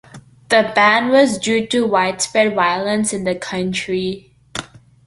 The ban was due to widespread violence in the country.